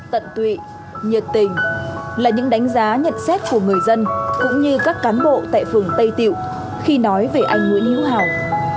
tận tụy nhiệt tình là những đánh giá nhận xét của người dân cũng như các cán bộ tại phường tây tiệu khi nói về anh nguyễn hiếu hào